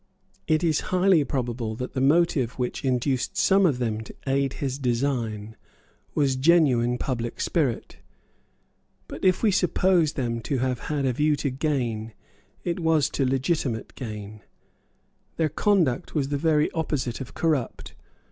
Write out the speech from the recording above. It is highly probable that the motive which induced some of them to aid his design was genuine public spirit. But, if we suppose them to have had a view to gain, it was to legitimate gain. Their conduct was the very opposite of corrupt.